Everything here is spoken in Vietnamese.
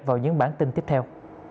vào những bản tin tiếp theo